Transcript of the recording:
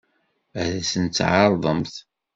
Ad sent-tt-tɛeṛḍemt?